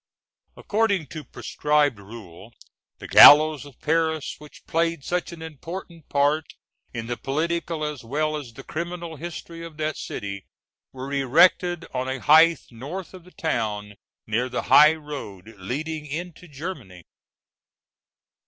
] According to prescribed rule, the gallows of Paris, which played such an important part in the political as well as the criminal history of that city, were erected on a height north of the town, near the high road leading into Germany.